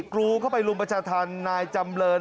กรูเข้าไปรุมประชาธรรมนายจำเริน